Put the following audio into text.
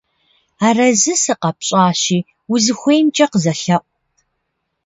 Арэзы сыкъэпщӀащи, узыхуеймкӀэ къызэлъэӀу.